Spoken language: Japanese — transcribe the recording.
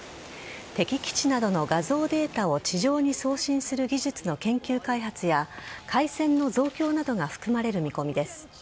敵基地などの画像データを地上に送信する技術の研究開発や回線の増強などが含まれる見込みです。